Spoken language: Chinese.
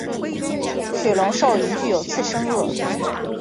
水龙兽已具有次生腭。